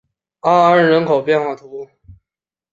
阿安人口变化图示